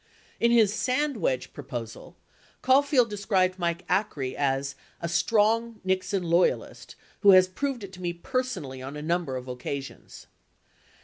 53 In his Sandwedge proposal, Caulfield described Mike Acree as "a strong Nixon loyalist [who] has proved it to me personally on a num ber of occasions."